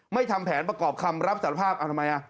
ไม่ทำแผนประกอบคำรับสารภาพทำไม